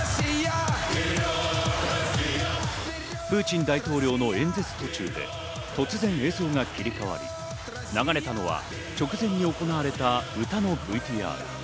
プーチン大統領の演説途中で突然、映像が切り替わり、流れたのは直前に行われた歌のＶＴＲ。